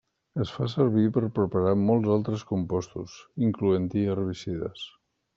Es fa servir per preparar molt altres compostos, incloent-hi herbicides.